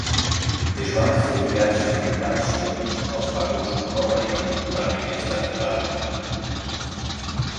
Es van fer diverses reparacions als vagons monorail durant aquesta aturada.